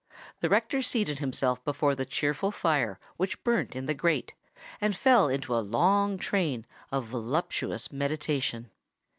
The rector seated himself before the cheerful fire which burnt in the grate, and fell into a long train of voluptuous meditation.